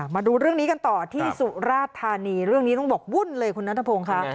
มาดูเรื่องนี้กันต่อที่สุราธานีเรื่องนี้ต้องบอกวุ่นเลยคุณนัทพงศ์ค่ะ